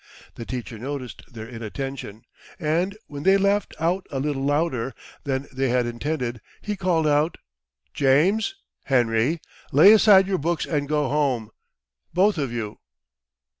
The teacher noticed their inattention, and, when they laughed out a little louder than they had intended, he called out, "James and Henry, lay aside your books and go home, both of you."